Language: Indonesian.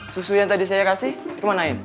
susu yang tadi saya kasih kemanain